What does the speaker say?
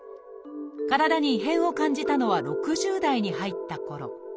体に異変を感じたのは６０代に入ったころ。